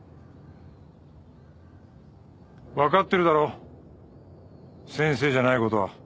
わかってるだろ先生じゃない事は。